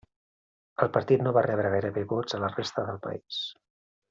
El partit no va rebre gairebé vots a la resta del país.